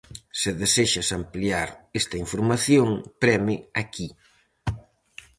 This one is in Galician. Se desexas ampliar esta información, preme aquí.